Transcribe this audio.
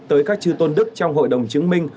tới các chư tôn đức trong hội đồng chứng minh